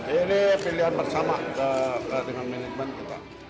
ini pilihan bersama dengan manajemen kita